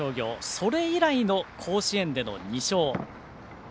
それ以来の甲子園での２勝。